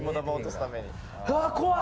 ああ怖っ！